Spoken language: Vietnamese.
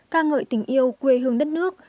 ca ngợi tình yêu quê hương đất nước